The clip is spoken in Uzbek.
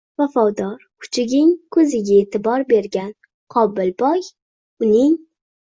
Vafodor kuchugining ko`ziga e`tibor bergan Qobilboy, uning